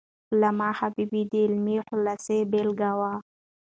علامه حبيبي د علمي حوصلي بېلګه وو.